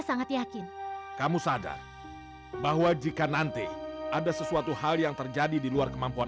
sampai jumpa di video selanjutnya